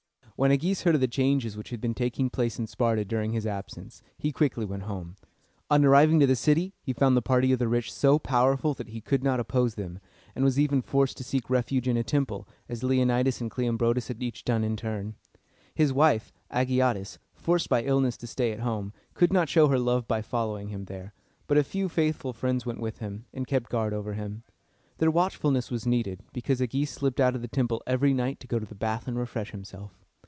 When Agis heard of the changes which had been taking place in Sparta during his absence, he quickly went home. On arriving in the city, he found the party of the rich so powerful that he could not oppose them, and was even forced to seek refuge in a temple, as Leonidas and Cleombrotus had each done in turn. His wife, A gi a´tis, forced by illness to stay at home, could not show her love by following him there; but a few faithful friends went with him, and kept guard over him. Their watchfulness was needed, because Agis slipped out of the temple every night to go to the bath and refresh himself.